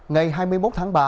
ngày hai mươi một tháng ba